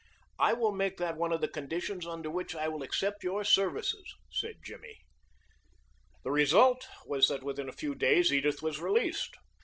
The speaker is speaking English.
"I will make that one of the conditions under which I will accept your services," said Jimmy. The result was that within a few days Edith was released.